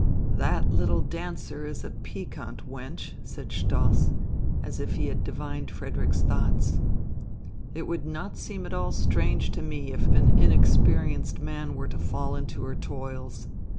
"That little dancer is a piquant wench," said Stoss, as if he had divined Frederick's thoughts. "It would not seem at all strange to me if an inexperienced man were to fall into her toils.